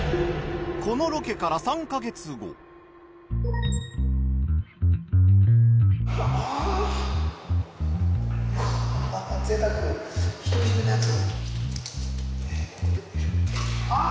このロケから３カ月後ああああ！